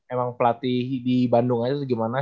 emang pelatih di bandung aja atau gimana